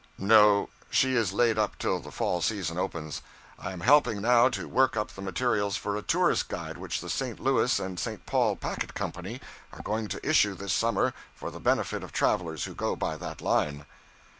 'No, she is laid up till the fall season opens. I am helping now to work up the materials for a Tourist's Guide which the St. Louis and St. Paul Packet Company are going to issue this summer for the benefit of travelers who go by that line.'